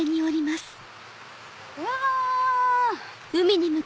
うわ！